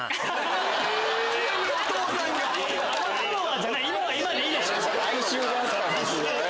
「あの頃は」じゃない今は今でいいでしょ。